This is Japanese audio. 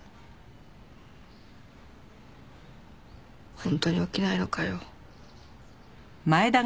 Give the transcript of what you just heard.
本当に起きないのかよ。